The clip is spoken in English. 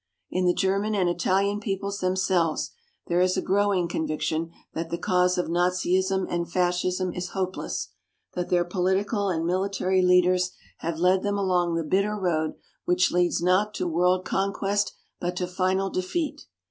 In the German and Italian peoples themselves there is a growing conviction that the cause of Nazism and Fascism is hopeless that their political and military leaders have led them along the bitter road which leads not to world conquest but to final defeat.